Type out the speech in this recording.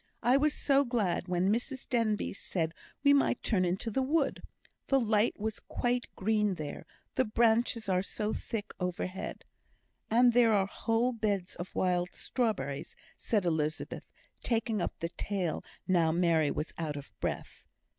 I was so glad when Mrs Denbigh said we might turn into the wood. The light was quite green there, the branches are so thick overhead." "And there are whole beds of wild strawberries," said Elizabeth, taking up the tale now Mary was out of breath.